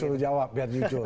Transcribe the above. suruh jawab biar jujur